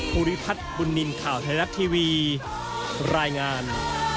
ภูริพัฒน์บุญนินทร์ข่าวไทยรัฐทีวีรายงาน